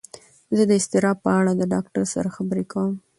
زه د اضطراب په اړه د ډاکتر سره خبرې کوم.